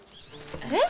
えっ？